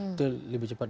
itu lebih cepat